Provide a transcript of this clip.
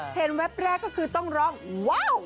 แวบแรกก็คือต้องร้องว้าว